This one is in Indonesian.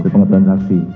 seorang orang saksi